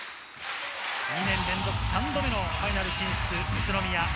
２年連続３度目のファイナル進出、宇都宮。